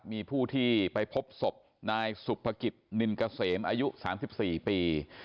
มีผู้ที่ไปพบศพนายสุภกิจนินเกษมอายุ๓๔ปี